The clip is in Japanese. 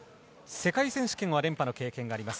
世界選手権は連覇の経験があります。